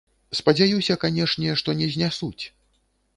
Спадзяюся, канешне, што не знясуць.